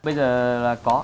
bây giờ là có